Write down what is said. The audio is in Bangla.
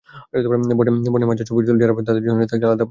বর্ণের মজার ছবি তুলে যারা পাঠাবে, তাদের জন্য থাকছে আলাদা পুরস্কার।